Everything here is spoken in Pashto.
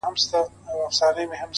ستا زامن چي د میدان پهلوانان دي!!